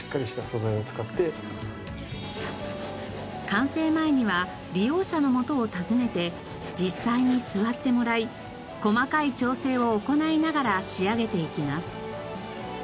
完成前には利用者のもとを訪ねて実際に座ってもらい細かい調整を行いながら仕上げていきます。